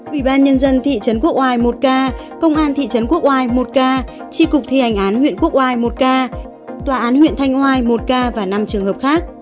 ủy ban nhân dân thị trấn quốc oai một ca công an thị trấn quốc oai một ca tri cục thi hành án huyện quốc oai một ca tòa án huyện thanh oai một ca và năm trường hợp khác